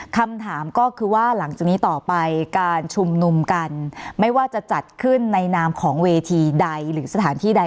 คำถามก็คือว่าหลังจากนี้ต่อไปการชุมนุมกันไม่ว่าจะจัดขึ้นในนามของเวทีใดหรือสถานที่ใด